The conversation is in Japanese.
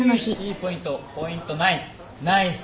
ポイントナイス。